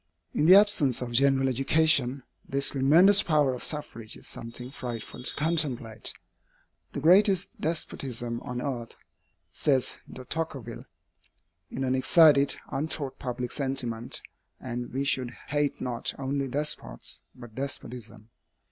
In the absence of general education, this tremendous power of suffrage is something frightful to contemplate. "The greatest despotism on earth," says De Tocqueville, "is an excited, untaught public sentiment; and we should hate not only despots, but despotism.